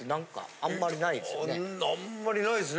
あんまりないですね。